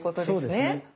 そうですね。